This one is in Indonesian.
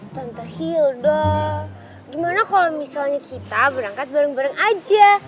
tante hildo gimana kalau misalnya kita berangkat bareng bareng aja